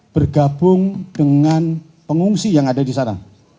bergabung dengan pengungsi yang ada di sana